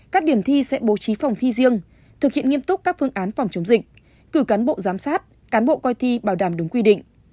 các điểm thi sẽ bố trí phòng thi riêng thực hiện nghiêm túc các phương án phòng chống dịch cử cán bộ giám sát cán bộ coi thi bảo đảm đúng quy định